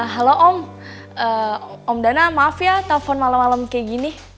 halo om dana maaf ya telepon malam malam kayak gini